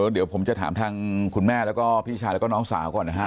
เดี๋ยวผมจะถามทางคุณแม่แล้วก็พี่ชายแล้วก็น้องสาวก่อนนะฮะ